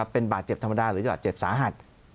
เป็นบาดเจ็บธรรมดาหรือจะบาดเจ็บสาหัส